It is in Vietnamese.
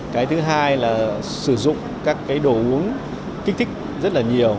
cái thứ hai là sử dụng các cái đồ uống kích thích rất là nhiều